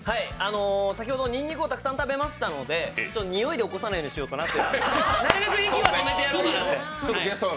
先ほど、にんにくをたくさん食べましたので、においで起こさないようにしようかなって、なるべく息は止めてやろうかと。